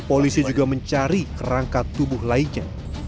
polisi juga mencari kerangka tubuh lainnya